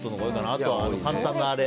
あとは、簡単なあれ。